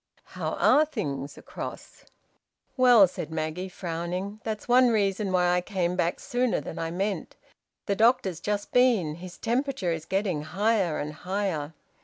"How are things across?" he inquired. "Well," said Maggie, frowning, "that's one reason why I came back sooner than I meant. The doctor's just been. His temperature is getting higher and higher.